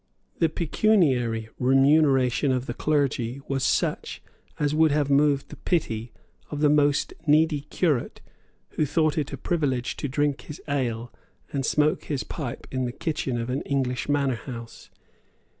The pecuniary remuneration of the clergy was such as would have moved the pity of the most needy curate who thought it a privilege to drink his ale and smoke his pipe in the kitchen of an English manor house.